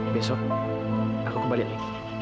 besok aku kembali lagi